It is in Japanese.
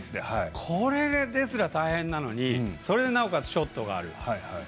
これですら大変なのになおかつショットがある。